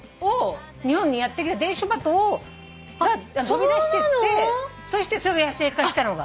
日本にやって来た伝書バトが飛び出してってそしてそれが野生化したのが。